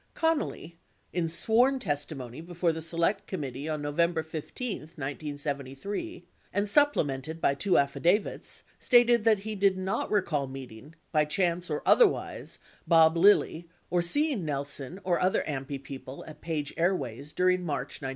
53 Connally, in sworn testimony before the Select Committee on No vember 15, 1973 (and supplemented by two affidavits) stated that he did not recall meeting, by chance or otherwise, Bob Lilly or seeing Nelson or other AMPI people at Page Airways during March 1971.